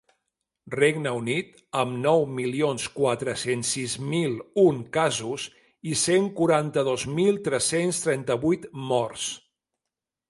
Regne Unit, amb nou milions quatre-cents sis mil un casos i cent quaranta-dos mil tres-cents trenta-vuit morts.